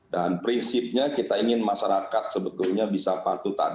dan prinsipnya kita ingin masyarakat sebetulnya bisa patuh tadi